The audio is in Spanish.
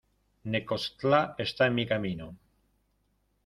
Necoxtla está en mi camino.